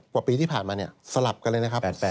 กว่าปีที่ผ่านมาเนี่ยสลับกันเลยนะครับ